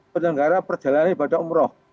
penyelenggara perjalanan ibadah umroh